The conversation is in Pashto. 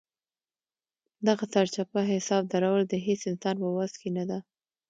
دغه سرچپه حساب درول د هېڅ انسان په وس کې نه ده.